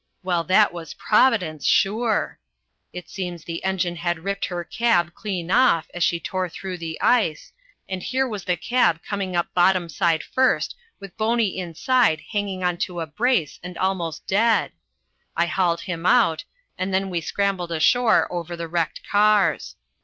Well, that was Providence, sure! It seems the engine had ripped her cab clean off as she tore through the ice, and here was the cab coming up bottom side first, with Boney inside hanging on to a brace and almost dead. I hauled him out, and then we scrambled ashore over the wrecked cars.